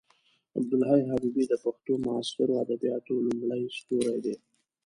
عبدالحی حبیبي د پښتو معاصرو ادبیاتو لومړی ستوری دی.